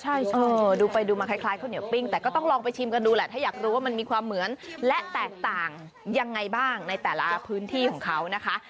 ใช่ดูไปดูมาคล้ายข้าวเหนียวปิ้งแต่ก็ต้องลองไปชิมกันดูแหละถ้าอยากรู้ว่ามันมีความเหมือนและแตกต่างยังไงบ้างในแต่ละพื้นที่ของเขานะคะ